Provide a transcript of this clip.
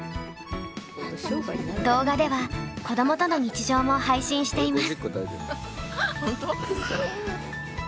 動画では子どもとの日常も配信しています。